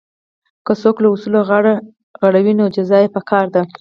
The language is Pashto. که څوک له اصولو غاړه غړوي نو جزا یې پکار ده.